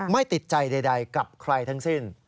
ไม่ติดใจใดกับใครทั้งสิ้น